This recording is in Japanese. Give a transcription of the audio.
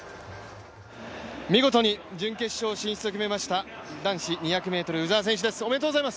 見事に準決勝進出を決めました、男子２００ｍの鵜沢選手です。